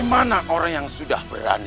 karena kalau kamu punya keputusan